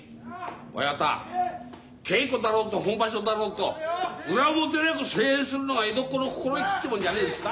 親方稽古だろうと本場所だろうと裏表なく声援するのが江戸っ子の心意気ってもんじゃねえですか？